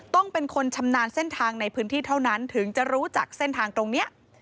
ต้องเป็นคนชำนาญเส้นทางในพื้นที่เท่านั้นถึงจะรู้จักเส้นทางตรงนี้